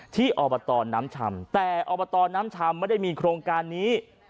อบตน้ำชำแต่อบตน้ำชำไม่ได้มีโครงการนี้